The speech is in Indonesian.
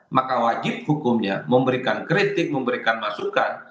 maka wajib hukumnya memberikan kritik memberikan masukan